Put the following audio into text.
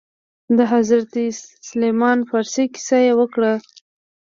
د حضرت سلمان فارس كيسه يې وكړه.